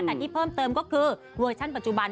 แต่ที่เพิ่มเติมก็คือเวอร์ชั่นปัจจุบัน